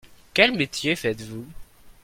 Quel métier faites-vous ?